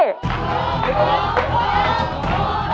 ถูก